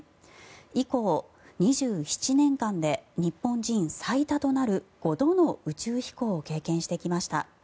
以降、２７年間で日本人最多となる５度の宇宙飛行を経験してきました。